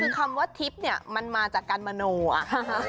คือคำว่าทิพย์เนี่ยมันมาจากการมโนอ่ะ